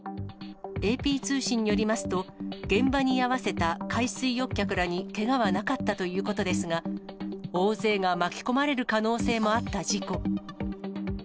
ＡＰ通信によりますと、現場に居合わせた海水浴客らにけがはなかったということですが、大勢が巻き込まれる可能性もあった事故。